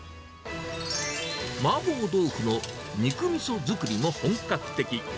マーボー豆腐の肉みそ作りも本格的。